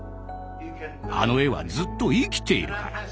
あの絵はずっと生きているから。